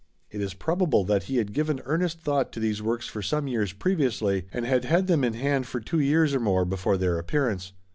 It is probable that he had given earnest thought to these works for some years previously, and had had them in hand for two years or more before their appearance.